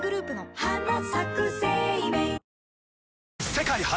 世界初！